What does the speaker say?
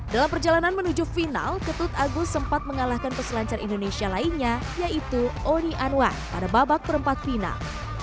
dalam perjalanan menuju final ketut agus sempat mengalahkan peselancar indonesia lainnya yaitu oni anwar pada babak perempat final